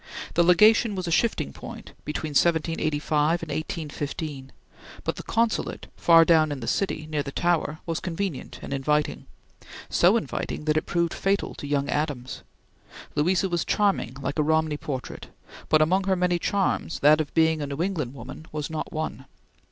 The Legation was a shifting point, between 1785 and 1815; but the Consulate, far down in the City, near the Tower, was convenient and inviting; so inviting that it proved fatal to young Adams. Louisa was charming, like a Romney portrait, but among her many charms that of being a New England woman was not one.